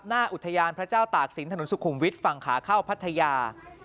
หน้าอุทยานพระเจ้าตากศิลปถนนสุขุมวิทย์ฝั่งขาเข้าพัทยา